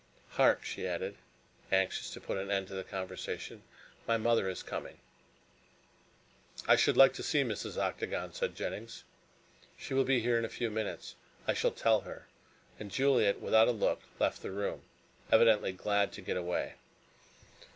Hark," she added, anxious to put an end to the conversation, "my mother is coming." "I should like to see Mrs. Octagon," said Jennings. "She will be here in a few minutes. I shall tell her," and Juliet, without a look, left the room, evidently glad to get away.